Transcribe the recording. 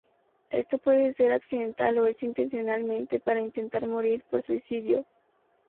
Esto puede ser accidental o hecho intencionalmente para intentar morir por suicidio.